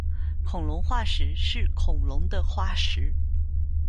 恐龙化石是恐龙的化石。